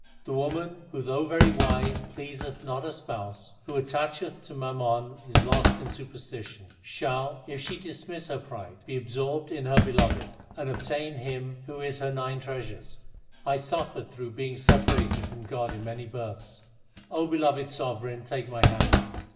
The woman, who though very wise pleaseth not her Spouse, Who attached to mammon is lost in superstition, Shall, if she dismiss her pride, be absorbed in her Beloved, And obtain Him who is her nine treasures. 1 suffered through being separated from God in many births. O Beloved Sovereign, take my hand.